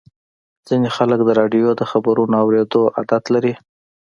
ځینې خلک د راډیو د خبرونو اورېدو عادت لري.